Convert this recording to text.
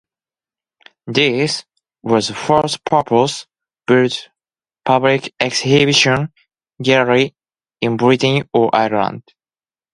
This was the first purpose-built public exhibition gallery in Britain or Ireland.